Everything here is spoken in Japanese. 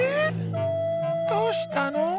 どうしたの？